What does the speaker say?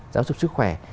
giáo dục sức khỏe